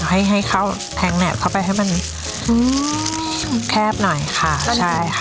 ให้ให้เข้าแพงแหนบเข้าไปให้มันอืมแคบหน่อยค่ะใช่ค่ะ